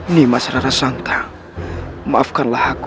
nimas rara sangta maafkanlah aku